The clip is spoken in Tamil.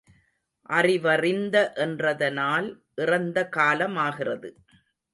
அறிவறிந்த என்றதனால் இறந்த காலமாகிறது.